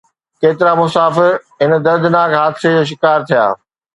ڪيترا مسافر هن دردناڪ حادثي جو شڪار ٿيا